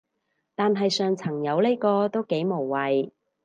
但係上層有呢個都幾無謂